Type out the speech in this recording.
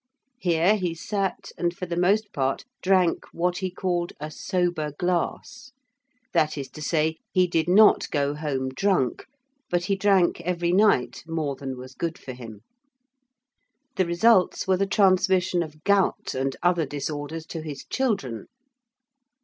Here he sat and for the most part drank what he called a sober glass: that is to say, he did not go home drunk, but he drank every night more than was good for him. The results were the transmission of gout and other disorders to his children.